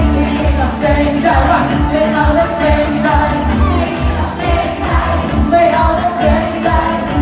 ไม่เอาและเกรงใจไม่เอาและเกรงใจ